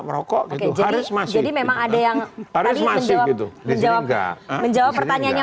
bukan riz contains mutansia